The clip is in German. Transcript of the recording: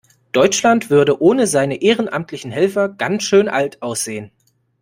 Deutschland würde ohne seine ehrenamtlichen Helfer ganz schön alt aussehen.